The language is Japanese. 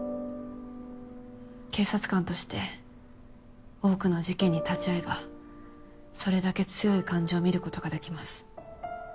警察官として多くの事件に立ち会えばそれだけ強い感情を見ることができます。